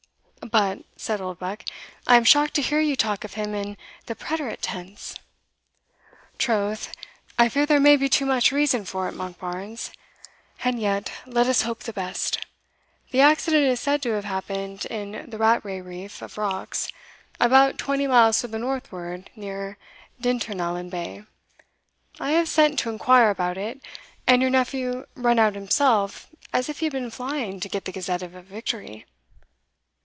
"But," said Oldbuck, "I am shocked to hear you talk of him in the preterite tense." "Troth, I fear there may be too much reason for it, Monkbarns; and yet let us hope the best. The accident is said to have happened in the Rattray reef of rocks, about twenty miles to the northward, near Dirtenalan Bay I have sent to inquire about it and your nephew run out himself as if he had been flying to get the Gazette of a victory."